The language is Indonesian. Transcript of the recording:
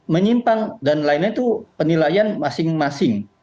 menyimpang dan lainnya itu penilaian masing masing